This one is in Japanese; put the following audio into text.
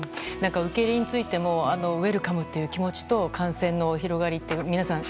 受け入れについてもウェルカムという気持ちと感染の広がりという皆さん